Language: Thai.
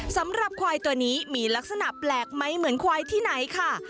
สำหรับควายตัวนี้มีลักษณะแปลกไหมเหมือนควายที่ไหนค่ะ